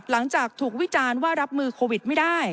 หลังจากถูกวิจารณ์ว่ารับมือโควิดไม่ได้